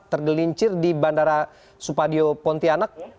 tergelincir di bandara supadio pontianak